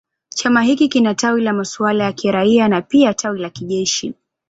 Chama hiki kina tawi la masuala ya kiraia na pia tawi la kijeshi.